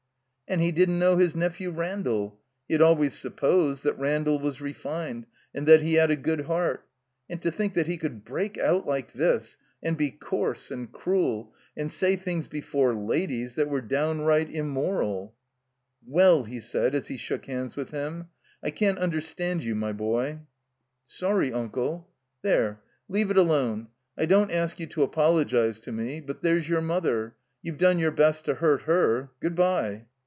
And he didn't know his nephew Randall. He had always supposed that Randall was refined and that he had a good heart. And to think that he coidd break out like this, and be coarse and cruel, and say things before ladies that were downright im moral — ''Well," he said, as he shook hands with him, *'I can't imderstand you, my boy." Sorry, Uncle." There — cleave it alone. I don't ask you to apolo gize to me. But there's your mother. You've done your best to hurt her. Good by."